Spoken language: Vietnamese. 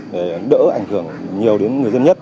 để đỡ ảnh hưởng nhiều đến người dân nhất